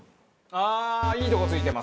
ああーいいとこ突いてます！